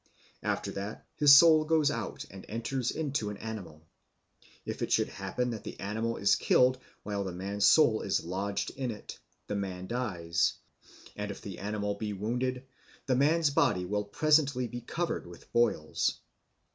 After that his soul goes out and enters into an animal. If it should happen that the animal is killed while the man's soul is lodged in it, the man dies; and if the animal be wounded, the man's body will presently be covered with boils.